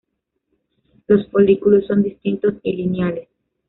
Los folículos son distintos y lineales.